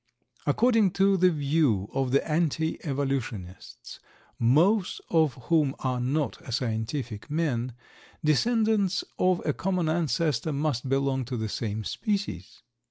According to the view of the anti evolutionists, most of whom are not scientific men, descendants of a common ancestor must belong to the same species.